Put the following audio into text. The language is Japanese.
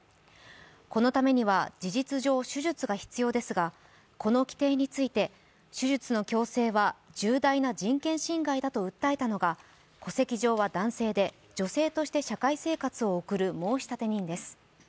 このためには、事実上手術が必要ですが、この規定について手術の強制は重大な人権侵害だと訴えたのが、戸籍上は男性で女性として社会生活を送る申立人です。